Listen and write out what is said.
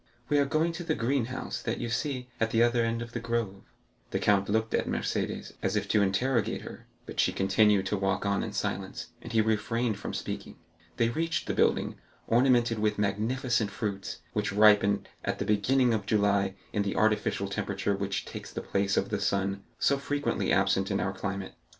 "We are going to the greenhouse that you see at the other end of the grove." The count looked at Mercédès as if to interrogate her, but she continued to walk on in silence, and he refrained from speaking. They reached the building, ornamented with magnificent fruits, which ripen at the beginning of July in the artificial temperature which takes the place of the sun, so frequently absent in our climate.